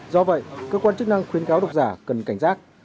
do vậy cơ quan chức năng khuyến cáo độc giả cần cảnh giác